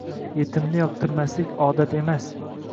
Yetimni yoqirmaslik odat emas.